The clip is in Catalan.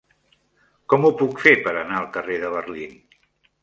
Com ho puc fer per anar al carrer de Berlín?